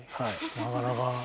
なかなか。